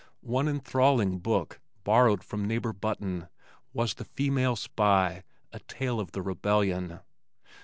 One enthralling book, borrowed from Neighbor Button, was The Female Spy, a Tale of the Rebellion.